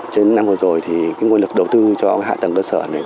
trên năm vừa rồi thì nguồn lực đầu tư cho hạ tầng cơ sở